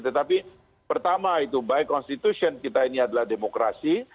tetapi pertama itu by constitution kita ini adalah demokrasi